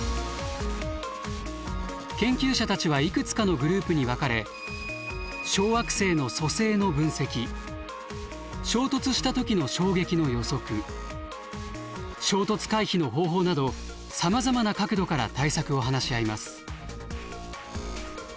研究者たちはいくつかのグループに分かれ小惑星の組成の分析衝突した時の衝撃の予測衝突回避の方法などさまざまな角度から対策を話し合います。